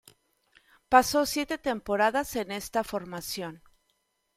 Pasó siete temporadas en esta formación.